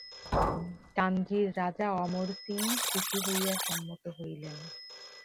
কাঞ্চীর রাজা অমর সিং খুশি হইয়া সম্মত হইলেন।